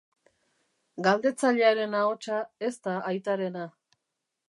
Galdetzailearen ahotsa ez da aitarena.